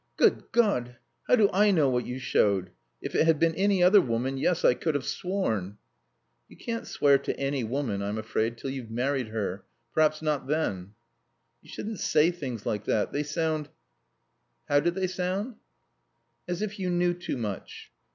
"Good God, how do I know what you showed? If it had been any other woman yes, I could have sworn." "You can't swear to any woman I'm afraid till you've married her. Perhaps not then." "You shouldn't say things like that; they sound " "How do they sound?" "As if you knew too much."